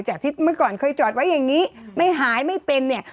จากที่เมื่อก่อนเคยจอดไว้อย่างนี้ไม่หายไม่เป็นเนี่ย